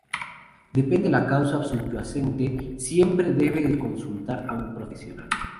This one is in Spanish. Depende de la causa subyacente, siempre se debe consultar a un profesional.